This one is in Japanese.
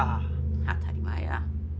当たり前や。